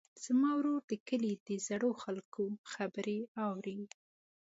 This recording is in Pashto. زما ورور د کلي د زړو خلکو خبرې اوري.